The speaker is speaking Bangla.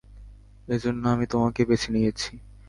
এজন্য আমি তোমাকে বেছে নিয়েছি!